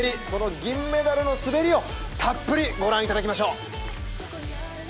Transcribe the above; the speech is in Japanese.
その銀メダルの滑りをたっぷり御覧いただきましょう。